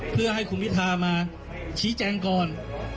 เพื่อให้คุณพิธามาชี้แจงก่อน